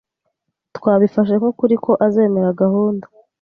Twabifashe nk'ukuri ko azemera gahunda.